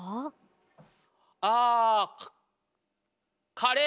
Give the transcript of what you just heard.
カカレー